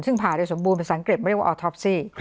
ซึ่งผ่าโดยสมบูรณภาษาอังกฤษไม่เรียกว่าออท็อปซี่